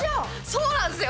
そうなんですよ。